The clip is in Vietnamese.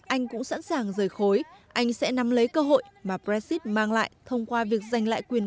anh cũng sẵn sàng rời khối anh sẽ nắm lấy cơ hội mà brexit mang lại thông qua việc giành lại quyền